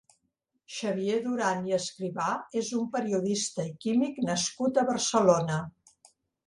Xavier Duran i Escribà és un periodista i químic nascut a Barcelona.